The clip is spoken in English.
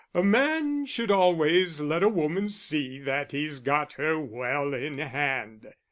A man should always let a woman see that he's got her well in hand."